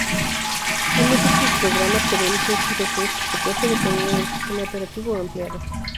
Hay múltiples programas que realizan estas funciones, por supuesto, dependiendo del sistema operativo empleado.